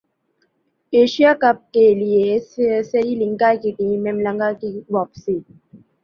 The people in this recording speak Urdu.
ایشیا کپ کیلئے سری لنکا کی ٹیم میں ملنگا کی واپسی